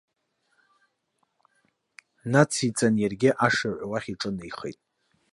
Нациҵан иаргьы ашырҳәа уахь иҿынеихеит.